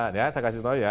nah saya kasih tau ya